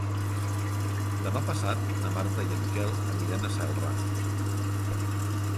Demà passat na Marta i en Quel aniran a Celrà.